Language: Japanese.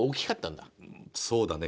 そうだね。